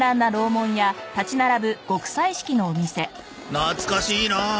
懐かしいな。